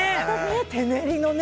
手練りのね。